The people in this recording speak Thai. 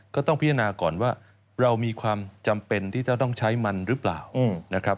ก็ต้องพิจารณาก่อนว่าเรามีความจำเป็นที่จะต้องใช้มันหรือเปล่านะครับ